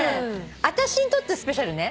私にとってスペシャルね！